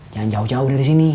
jangan jauh jauh dari sini